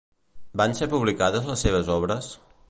Van ser publicades les seves obres?